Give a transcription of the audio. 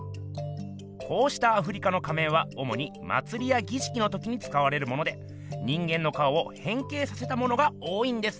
こうしたアフリカの仮面はおもにまつりやぎしきのときにつかわれるもので人間の顔をへん形させたものが多いんです。